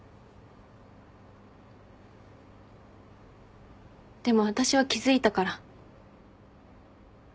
でも私は気付いたから。